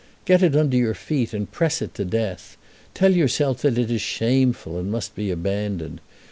Get it under your feet and press it to death. Tell yourself that it is shameful and must be abandoned.